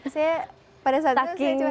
saya pada saat itu saya cuma ini ya